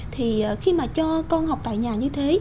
thì khi mà cho con học tại nhà như thế